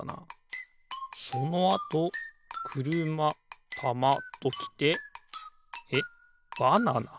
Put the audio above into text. そのあとくるまたまときてえっバナナ？